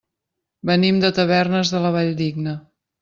Venim de Tavernes de la Valldigna.